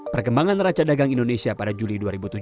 perkembangan neraca dagang indonesia pada juli dua ribu tujuh belas